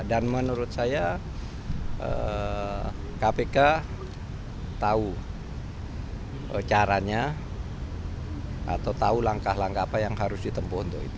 dan menurut saya kpk tahu caranya atau tahu langkah langkah apa yang harus ditemukan